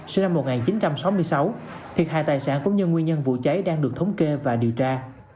sinh năm một nghìn chín trăm sáu mươi sáu thiệt hại tài sản cũng như nguyên nhân vụ cháy đang được thống kê và điều tra